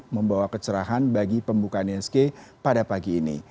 membawa kecerahan bagi pembukaan isg pada pagi ini